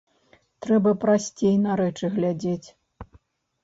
Трэба прасцей на рэчы глядзець.